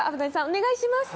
お願いします。